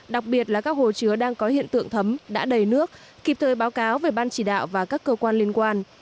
đặc biệt là các hồ chứa đang có hiện tượng thấm đã đầy nước kịp thời báo cáo về ban chỉ đạo và các cơ quan liên quan